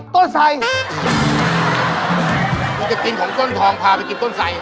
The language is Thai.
มันก็คิดของต้นทองพาไปกินต้นไซย